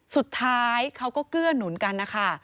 สุดท้ายเขาก็เกื้อหนุนกันนะคะ